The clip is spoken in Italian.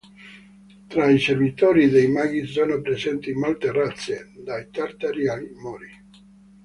Tra i servitori dei Magi sono presenti molte razze, dai tartari ai mori.